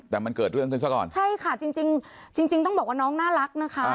แต่มันเกิดเรื่องขึ้นซะก่อนใช่ค่ะจริงจริงต้องบอกว่าน้องน่ารักนะคะ